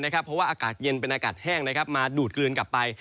เพราะว่าอากาศเย็นเป็นอากาศแห้งมาดูดกลืนกลับไป